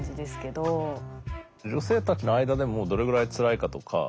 女性たちの間でもどれぐらいつらいかとか。